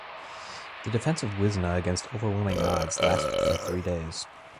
The defense of Wizna against overwhelming odds lasted for three days.